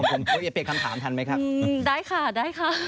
ผมจะเปลี่ยนคำถามทันไหมครับได้ค่ะได้ค่ะ